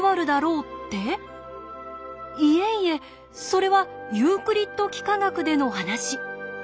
いえいえそれはユークリッド幾何学での話。